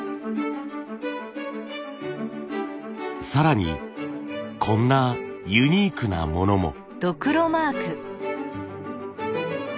更にこんなユニークなものも。